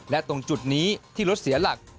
และตรงจุดนี้ที่รถเสียหลัก